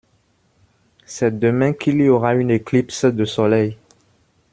C’est demain qu’il y aura une éclipse de soleil.